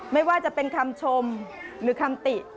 ไม่ว่าจะเป็นคำชมหรือคำติ